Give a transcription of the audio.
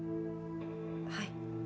はい。